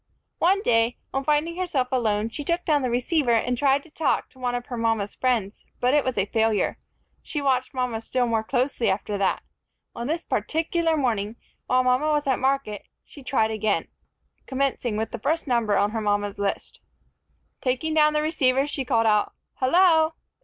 One day, on finding herself alone, she took down the receiver and tried to talk to one of her mama's friends, but it was a failure. She watched mama still more closely after that. On this particular morning, while mama was at market, she tried again, commencing with the first number on her mama's list. Taking down the receiver, she called out, "Hullo!"